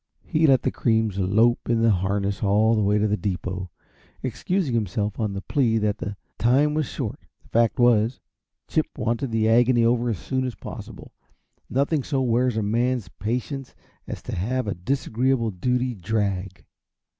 He let the creams lope in the harness all the way to the depot, excusing himself on the plea that the time was short; the fact was, Chip wanted the agony over as soon as possible; nothing so wears a man's patients as to have a disagreeable duty drag.